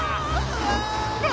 うわ！